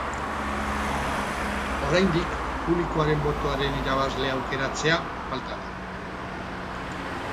Oraindik publikoaren botoaren irabazlea aukeratzea falta da.